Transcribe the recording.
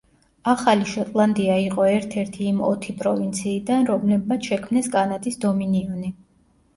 ახალი შოტლანდია იყო ერთ-ერთი იმ ოთი პროვინციიდან, რომლებმაც შექმნეს კანადის დომინიონი.